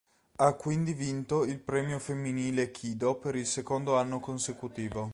Ha quindi vinto il Premio Femminile Kido per il secondo anno consecutivo.